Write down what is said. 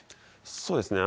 そうですね。